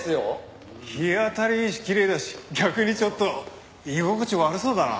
日当たりいいしきれいだし逆にちょっと居心地悪そうだな。